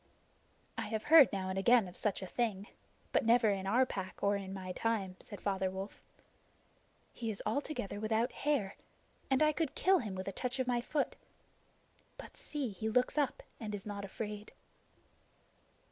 "I have heard now and again of such a thing, but never in our Pack or in my time," said Father Wolf. "He is altogether without hair, and I could kill him with a touch of my foot. But see, he looks up and is not afraid."